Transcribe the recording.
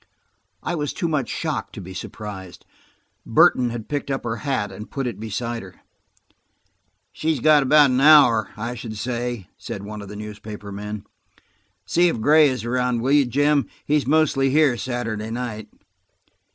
I was too much shocked to be surprised. Burton had picked up her hat, and put it beside ber. "She's got about an hour, I should say," said one of the newspaper men. "See if Gray is around, will you, Jim? He's mostly here Saturday night."